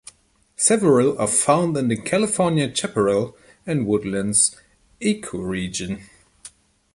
Several are found in the California chaparral and woodlands ecoregion.